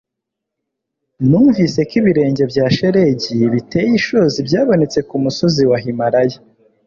numvise ko ibirenge bya shelegi biteye ishozi byabonetse kumusozi wa himalaya